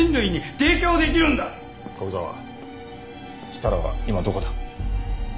設楽は今どこだ？